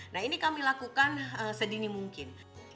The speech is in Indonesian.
nah ini kami lakukan sedini mungkin